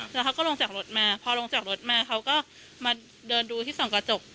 แล้วเขาก็ลงจากรถมาพอลงจากรถมาเขาก็มาเดินดูที่ส่องกระจก